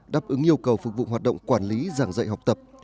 đáp ứng yêu cầu phục vụ hoạt động quản lý giảng dạy học tập